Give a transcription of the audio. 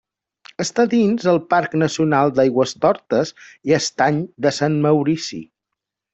Està dins el Parc Nacional d'Aigüestortes i Estany de Sant Maurici.